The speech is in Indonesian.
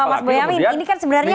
mas boyamin ini kan sebenarnya